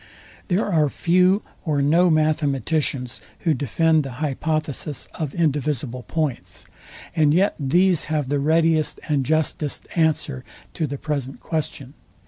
There are few or no mathematicians, who defend the hypothesis of indivisible points; and yet these have the readiest and justest answer to the present question.